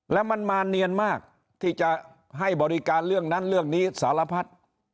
แล้วมันมาเนียนมากที่จะให้บริการเรื่องนั้นเรื่องนี้สารพัด